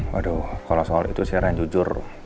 waduh kalo soal itu sejarah yang jujur